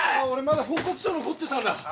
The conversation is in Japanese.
俺まだ報告書残ってたんだ。